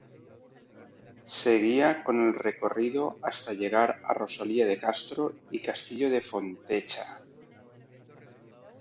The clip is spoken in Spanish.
Seguía con el recorrido hasta llegar a Rosalía de Castro y Castillo de Fontecha.